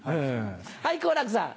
はい好楽さん。